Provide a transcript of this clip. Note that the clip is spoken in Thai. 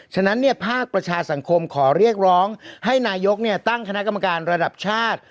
ฉะนั้นภาคประชาสังคมขอเรียกร้องให้นายกตั้งคณะกรรมการระดับชาติ